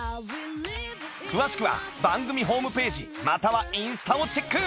詳しくは番組ホームページまたはインスタをチェック！